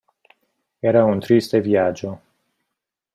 Era un triste viaggio.